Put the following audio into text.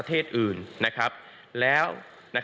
ต่อไป